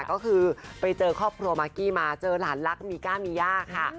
ก็คือไปเจอครอบครัวมากกี้มาเจอหลานรักมีก้ามีย่าค่ะ